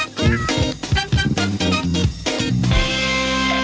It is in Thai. อ่าแถมท้ายก่อนปิดเบรกไหมเดี๋ยวกลับมาใส่ไข่กันต่อค่ะ